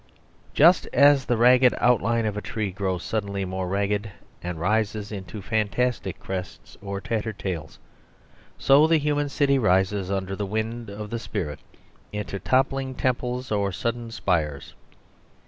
Just as the ragged outline of a tree grows suddenly more ragged and rises into fantastic crests or tattered tails, so the human city rises under the wind of the spirit into toppling temples or sudden spires.